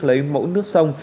lấy mẫu nước sông